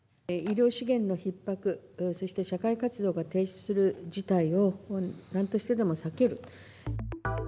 医療資源のひっ迫、そして社会活動が停止する事態を、なんとしてでも避ける。